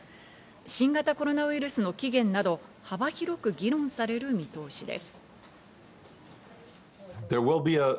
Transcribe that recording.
新型コロナウイルスの起源など、幅広く議論される見通しです。